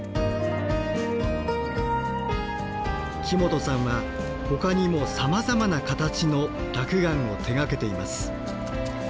木本さんはほかにもさまざまな形の落雁を手がけています。